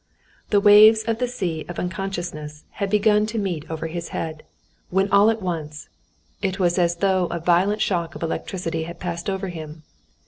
The waves of the sea of unconsciousness had begun to meet over his head, when all at once—it was as though a violent shock of electricity had passed over him.